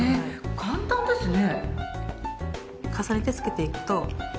簡単ですね。